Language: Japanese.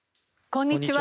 こんにちは。